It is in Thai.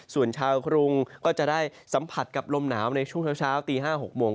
ส่วนชาวกรุงก็จะได้สัมผัสกับลมหนาวในช่วงเช้าตี๕๖โมง